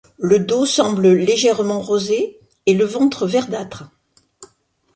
Le dos semble légèrement rosé et le ventre verdâtre.